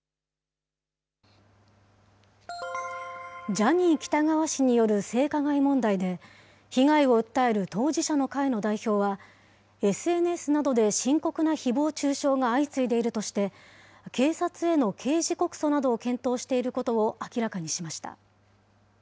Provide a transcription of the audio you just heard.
ジャニー喜多川氏による性加害問題で、被害を訴える当事者の会の代表は、ＳＮＳなどで深刻なひぼう中傷が相次いでいるとして、警察への刑事告訴などを検討していることを明らかにしました。